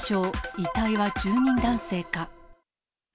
遺体は住人男性か。